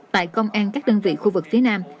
tại công an các đơn vị khu vực phía nam